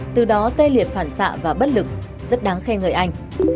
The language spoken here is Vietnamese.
từ đó tê liệt phản xạ và bất lực rất đáng khen người anh